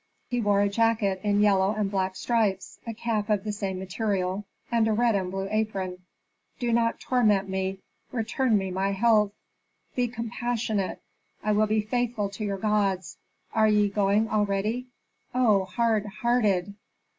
"He wore a jacket in yellow and black stripes, a cap of the same material, and a red and blue apron. Do not torment me; return me my health! Be compassionate! I will be faithful to your gods! Are ye going already? Oh, hard hearted!"